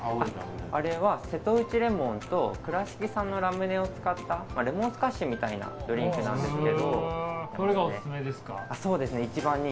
あれは瀬戸内レモンと倉敷産のラムネを使ったレモンスカッシュみたいなドリンクなんですけども。